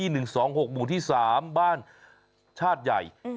หนึ่งสองหกหมู่ที่สามบ้านชาติใหญ่